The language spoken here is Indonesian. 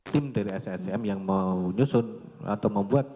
tim dari sm yang mau nyusun atau membuat